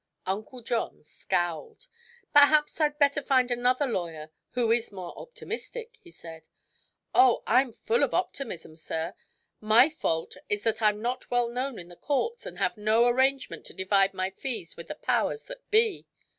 Uncle John scowled. "Perhaps I'd better find another lawyer who is more optimistic," he said. "Oh, I'm full of optimism, sir. My fault is that I'm not well known in the courts and have no arrangement to divide my fees with the powers that be.